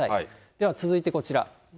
では続いてこちら。